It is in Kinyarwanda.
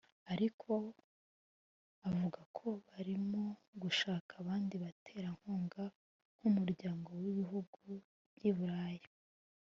ariko avuga ko barimo gushaka abandi baterankunga nk’Umuryango w’Ibihugu by’i Burayi